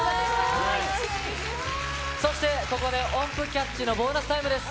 そして、ここで音符キャッチのボーナスタイムです。